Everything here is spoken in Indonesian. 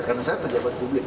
karena saya pejabat publik